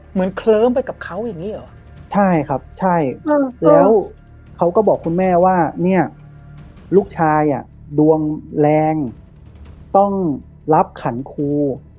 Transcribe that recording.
เคลิ้มไปกับเขาอย่างนี้เหรอใช่ครับใช่แล้วเขาก็บอกคุณแม่ว่าเนี่ยลูกชายอ่ะดวงแรงต้องรับขันครู